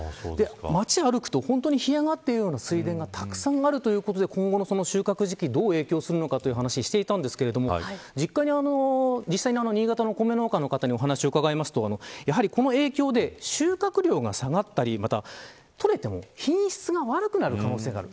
街を歩くと、本当に干上がっているような水田がたくさんあるということで今後の収穫時期にどう影響するかという話をしていたんですが実家に実際の新潟の米の農家の方にお話を伺うとやはりこの影響で収穫量が下がったりまた取れても品質が悪くなる可能性がある。